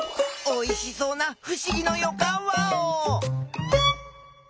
おいしそうなふしぎのよかんワオ！